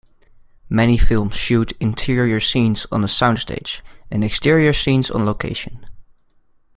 Many films shoot interior scenes on a sound stage and exterior scenes on location.